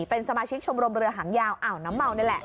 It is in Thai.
เป็นสมาชิกชมรมเรือหางยาวอ่าวน้ำเมานี่แหละ